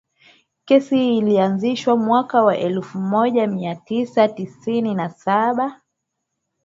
kesi hiyo ilianzishwa mwaka elfu moja mia tisa tisini na saba